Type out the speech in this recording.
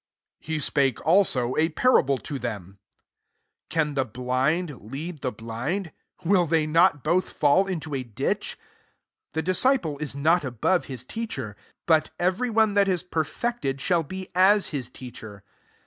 *' 39 He spake also a parable to em; <<Can the blind lead the ind? will they not both M to a ditch ? 40 " The disciple is not above s teacher t but every one that perfected, shall be as his acher.